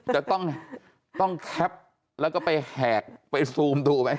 จะต้องแคปแล้วก็ไปแหกไปซูมดูไหม